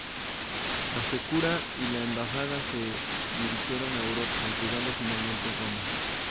Hasekura y la embajada se dirigieron a Europa, llegando finalmente a Roma.